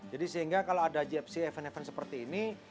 jadi sehingga kalau ada gfc event event seperti ini